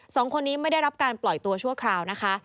สองคนนี้ไม่ได้รับการปล่อยตัวชั่วคราวนะคะ